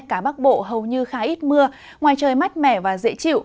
cả bắc bộ hầu như khá ít mưa ngoài trời mát mẻ và dễ chịu